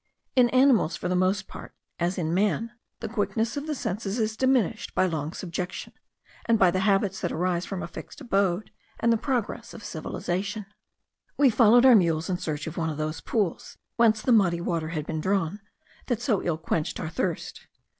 In animals, for the most part, as in man, the quickness of the senses is diminished by long subjection, and by the habits that arise from a fixed abode and the progress of cultivation. We followed our mules in search of one of those pools, whence the muddy water had been drawn, that so ill quenched our thirst.